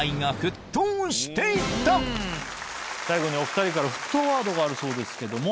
最後にお２人から沸騰ワードがあるそうですけども？